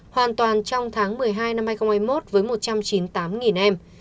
hoàn toàn trong tháng một mươi hai năm hai nghìn hai mươi một với một trăm chín mươi tám em